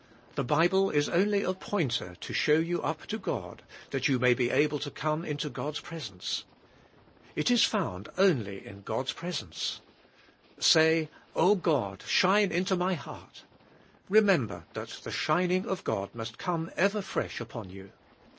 The Bible is only a pointer to show you up to God, that you may be able to come into God's presence. It is found only THK HKAVKNI^Y TRKASURE). 163 in God's presence. Say, Oh ! God, shine into my heart. Remember, that the shining" of God must come ever fresh upon you.